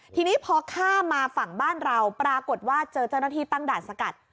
ทีนี้พอข้ามมาฝั่งบ้านเราปรากฏว่าเจอเจ้าหน้าที่ตั้งด่านสกัด